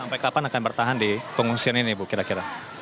sampai kapan akan bertahan di pengungsian ini bu kira kira